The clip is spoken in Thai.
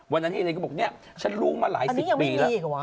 วันนั้นเฮดเรนก็บอกเนี่ยฉันลูกมาหลายสิบปีแล้ว